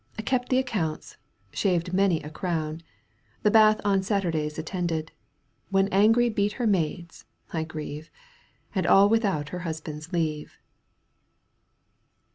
Kept the accounts, shaved many a crown,* The bath on Saturdays attended, When angry beat her maids, I grieve, And all without her husband's leave.